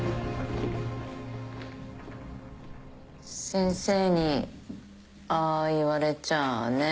先生にああ言われちゃあね。